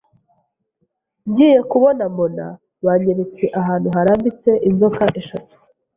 ngiye kubona mbona banyeretse ahantu harambitse inzoka eshatu